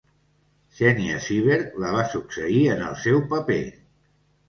Xenia Seeberg la va succeir en el seu paper.